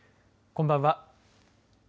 こんばんは。